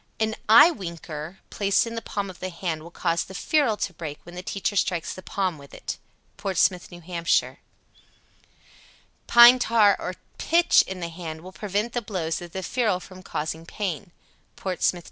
89. An "eyewinker" placed in the palm of the hand will cause the ferule to break when the teacher strikes the palm with it. Portsmouth, N.H. 90. Pine tar or pitch in the hand will prevent the blows of the ferule from causing pain. (_Portsmouth, N.